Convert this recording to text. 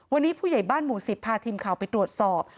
วันนี้ผู้ใหญ่บ้านหมู่๑๐พาทีมข่าวไปตรวจสอบ